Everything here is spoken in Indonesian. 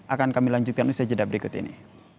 akan kami lanjutkan di sajadah berikut ini